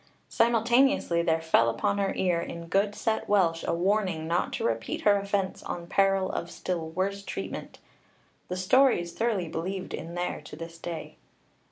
Simultaneously there fell upon her ear in good set Welsh a warning not to repeat her offence on peril of still worse treatment. This story 'is thoroughly believed in there to this day.'